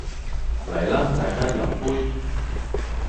嚟啦大家飲杯